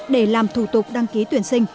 để làm thủ tục đăng ký tuyển sinh